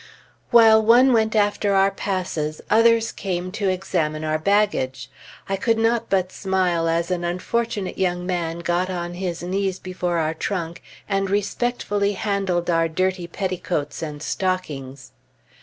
While one went after our passes, others came to examine our baggage. I could not but smile as an unfortunate young man got on his knees before our trunk and respectfully handled our dirty petticoats and stockings.